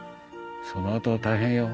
そのあとは大変よ。